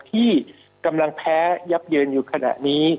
ที่กำลังแพ้ยับเยินอยู่ขณะนี้